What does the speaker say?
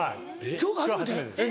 今日が初めて？